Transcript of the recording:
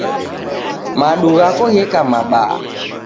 Madu ghako gheka mabaha